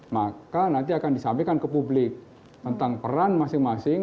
maka nanti akan disampaikan ke publik tentang peran masing masing